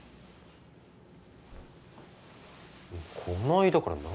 こないだから何？